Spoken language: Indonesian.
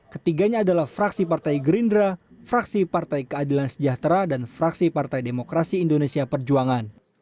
ketiganya adalah fraksi partai gerindra fraksi partai keadilan sejahtera dan fraksi partai demokrasi indonesia perjuangan